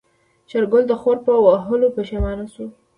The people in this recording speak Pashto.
شېرګل د خور په وهلو پښېمانه شو.